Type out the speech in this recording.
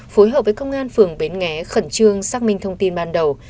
phối hợp với công an phường bến nghé khẩn trương xác minh thông tin ban đầu